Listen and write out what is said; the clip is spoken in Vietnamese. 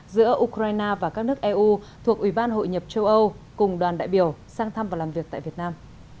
giữa ukraine và các nước eu thuộc ủy ban hội nhập châu âu cùng đoàn đại biểu sang thăm và làm việc tại việt nam